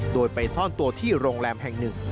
โดยไปซ่อนตัวที่โรงแรมแห่งหนึ่ง